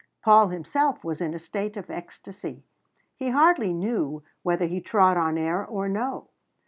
Paul himself was in a state of ecstasy. He hardly knew whether he trod on air or no.